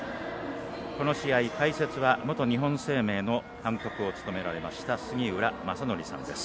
この試合、解説は元日本生命の監督を務められました杉浦正則さんです。